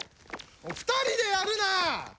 ２人でやるな！